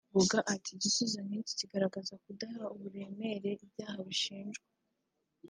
Ngoga ati “igisubizo nk’iki kigaragaza ukudaha uburemere ibyaha bashinjwa